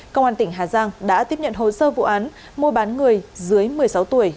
công an tỉnh hà giang đã tiếp nhận hồ sơ vụ án mua bán người dưới một mươi sáu tuổi